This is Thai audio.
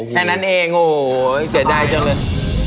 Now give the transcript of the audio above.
แค่นั้นเองโอ้โหเสียดายจังเลย